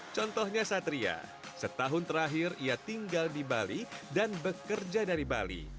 contohnya satria setahun terakhir ia tinggal di bali dan bekerja dari bali